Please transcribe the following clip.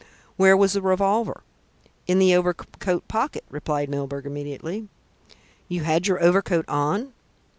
"Where was the revolver?" "In the overcoat pocket," replied Milburgh immediately. "Had you your overcoat on?"